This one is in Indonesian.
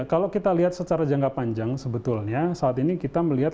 kalau kita lihat secara jangka panjang sebetulnya saat ini kita melihat